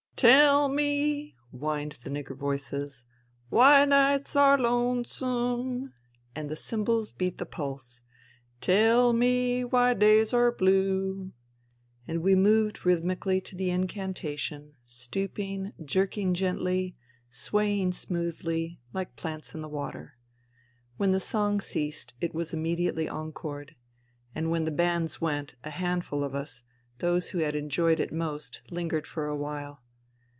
" Tell me,*' whined Nigger voices, " why nights are lonesome" and the cymbals beat the pulse ;" tell me why days are blue, ..." And we moved rhythmically to the incantation, stooping, jerking gently, swaying smoothly, like plants in the water. When the song ceased it was immediately encored. And when the bands went, a handful of us, those who had enjoyed it most, Hngered for a while.